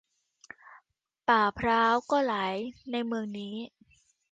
ป่าพร้าวก็หลายในเมืองนี้